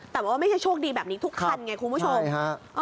แต่ว่าไม่ใช่โชคดีแบบนี้ทุกคันไงคุณผู้ชม